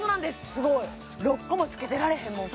すごい６個もつけてられへんもん